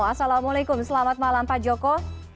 assalamualaikum selamat malam pak joko